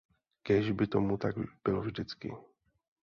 Kéž by tomu tak bylo vždycky.